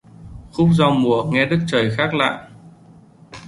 Khúc giao mùa nghe đất trời khác lạ